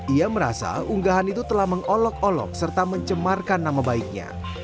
ia merasa unggahan itu telah mengolok olok serta mencemarkan nama baiknya